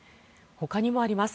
ほかにもあります。